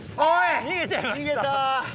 逃げたー。